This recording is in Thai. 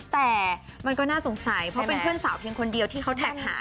แต่มันก็น่าสงสัยเพราะเป็นเพื่อนสาวเพียงคนเดียวที่เขาแท็กหา